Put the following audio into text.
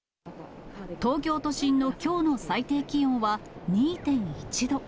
東京都心のきょうの最低気温は２．１度。